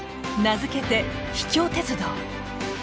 名付けて「秘境鉄道」。